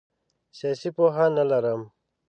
سیاسي پوهه نه لرم.